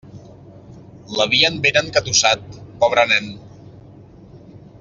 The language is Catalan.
L'havien ben engatussat, pobre nen.